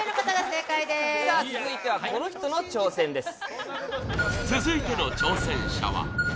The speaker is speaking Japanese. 続いては、この人の挑戦です。